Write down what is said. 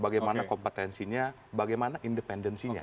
bagaimana kompetensinya bagaimana independensinya